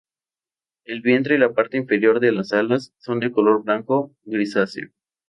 El vientre y la parte inferior de las alas son de color blanco grisáceo.